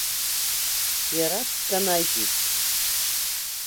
Иара сканажьит.